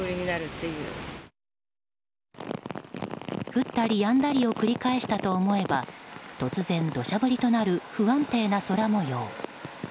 降ったりやんだりを繰り返したと思えば突然、土砂降りとなる不安定な空模様。